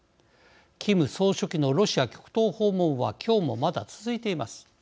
キム総書記のロシア極東訪問は今日もまだ続いています。